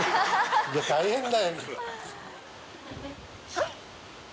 大変だよ。